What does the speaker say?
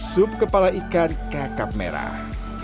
sup kepala ikan kakap merah